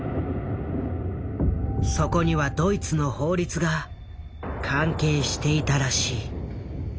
そこにはドイツの法律が関係していたらしい。